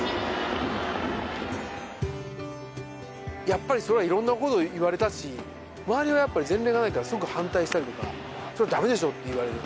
やっぱりそれは色んな事言われたし周りはやっぱり前例がないからすごく反対したりとかそれはダメでしょって言われる。